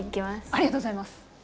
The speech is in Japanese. ありがとうございます。